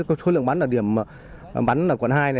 khối lượng bắn là điểm quận hai